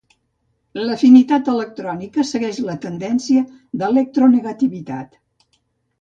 L'afinitat electrònica segueix la tendència d'electronegativitat.